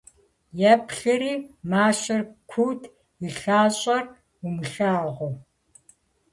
Еплъри - мащэр куут, и лъащӀэр умылъагъуу.